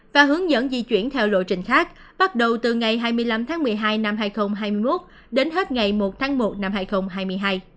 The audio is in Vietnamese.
và hướng dẫn di chuyển theo lộ trình khác bắt đầu từ ngày hai mươi năm tháng một mươi hai năm hai nghìn hai mươi một đến hết ngày một tháng một năm hai nghìn hai mươi hai